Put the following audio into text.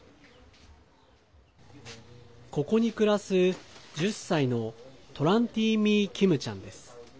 ここに暮らす、１０歳のトラン・ティ・ミー・キムちゃん。